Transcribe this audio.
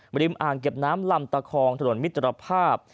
ริมอ่างเก็บน้ำลำตะคองถนนมิตรภาพ